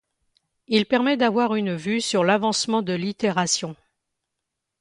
Il permet d'avoir une vue sur l'avancement de l'itération.